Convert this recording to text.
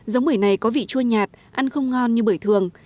giống bưởi này có vị chua nhạt ăn không ngon như bưởi thường